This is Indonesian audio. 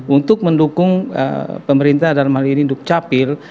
untuk mendukung pemerintah dan malini duk capil